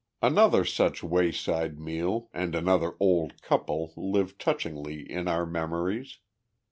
Another such wayside meal and another old couple live touchingly in our memories.